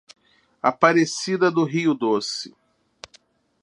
Aparecida do Rio Doce